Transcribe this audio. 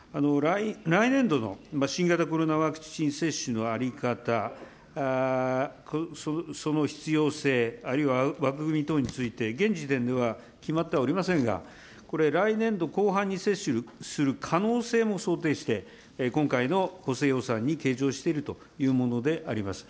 来年度の新型コロナワクチン接種の在り方、その必要性、あるいは枠組み等について、現時点では決まってはおりませんが、これ、来年度後半に接種する可能性も想定して、今回の補正予算に計上しているというものであります。